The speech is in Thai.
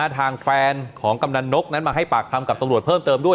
ทางแฟนของกำนันนกนั้นมาให้ปากคำกับตำรวจเพิ่มเติมด้วย